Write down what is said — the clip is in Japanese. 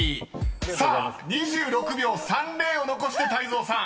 ［さあ２６秒３０を残して泰造さん］